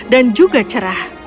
dan juga cerah